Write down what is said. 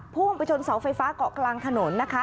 พุ่งไปชนเสาไฟฟ้าเกาะกลางถนนนะคะ